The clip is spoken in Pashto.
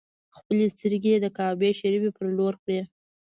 خپلې سترګې یې د کعبې شریفې پر لور کړې.